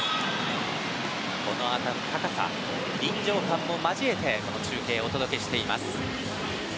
この辺り、高さや臨場感も交えてこの中継をお届けしています。